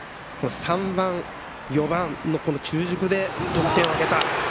３番、４番の中軸で得点を挙げた。